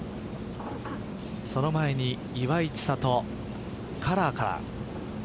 その前に岩井千怜カラーから。